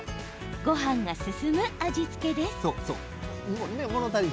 ごはんが進む味付けです。